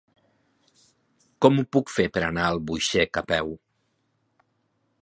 Com ho puc fer per anar a Albuixec a peu?